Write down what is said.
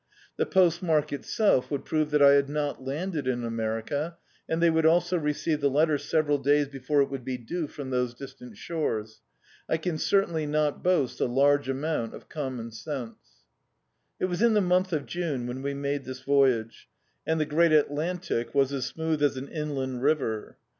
The postmark itself would prove that I had not landed in America, and they would also receive the letter several days before it would be due from those distant shores. I can certainly not boast a taige amount of ctxnmon sense. It was in the month of June, when we made this voyage, and the great Atlantic was as smooth as an inland river.